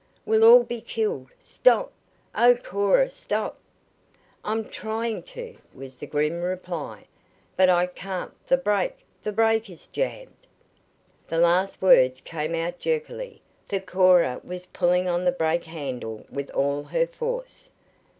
"We'll all be killed! Stop! Oh, Cora, stop!" "I'm trying to!" was the grim reply. "But I can't the brake the brake is jammed!" The last words came out jerkily, for Cora was pulling on the brake handle with all her force.